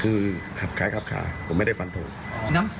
เพราะว่าตัวผมเองผมก็จริงผมไม่ได้อยากออกมา